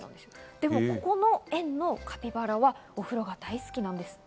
でもここの園のカピバラはお風呂が大好きなんですって。